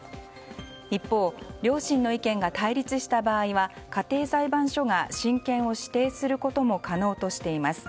一方、両親の意見が対立した場合は家庭裁判所が親権を指定することも可能としています。